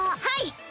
はい！